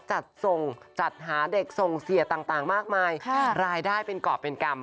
จัดส่งจัดหาเด็กส่งเสียต่างมากมายรายได้เป็นกรอบเป็นกรรม